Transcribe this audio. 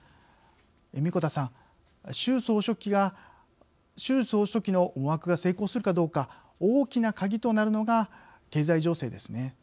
神子田さん習総書記の思惑が成功するかどうか大きなカギとなるのが経済情勢ですね。